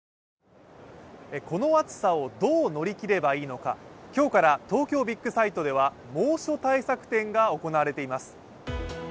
この暑さをどう乗り切ればいいのか、今日から東京ビッグサイトでは猛暑対策展が行われています。